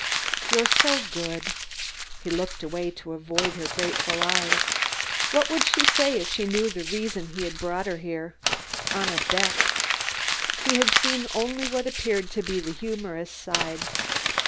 "You're so good!" He looked away to avoid her grateful eyes. What would she say if she knew the reason he had brought her there? On a bet! He had seen only what appeared to be the humorous side.